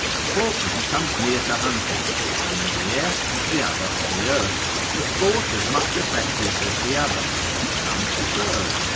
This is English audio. Hawking comes near to hunting, the one in the air, as the other on the earth, a sport as much affected as the other, by some preferred.